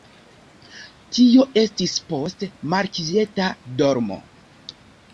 Tio estis post malkvieta dormo.